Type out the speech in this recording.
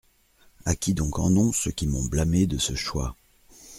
À qui donc en ont ceux qui m’ont blâmé de ce choix ?